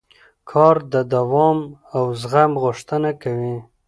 کار د دوام او زغم غوښتنه کوي